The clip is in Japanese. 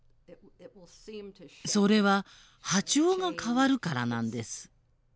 それは波長が変わるからなんです。